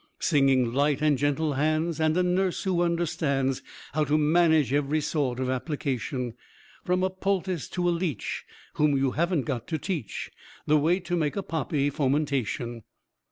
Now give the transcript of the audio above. Singing light and gentle hands, and a nurse who understands How to manage every sort of application, From a poultice to a leech; whom you haven't got to teach The way to make a poppy fomentation.